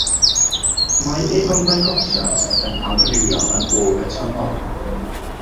Mae eu hymddangosiad yn amrywio yn ôl y tymor.